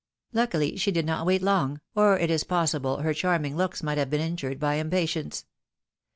Luckily she did not wait long, or it is possible her charming looks might have been injured by impatience.